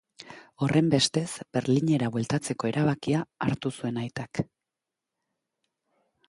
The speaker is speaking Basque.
Horrenbestez, Berlinera bueltatzeko erabakia hartu zuen aitak.